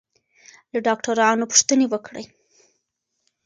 له ډاکټرانو پوښتنې وکړئ.